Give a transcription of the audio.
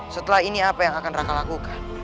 setelah ini apa yang akan raka lakukan